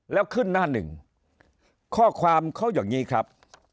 แล้วขึ้นหน้าหนึ่งข้อความเขาอย่างนี้ครับ